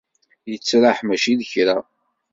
Yettraḥ mačči d kra.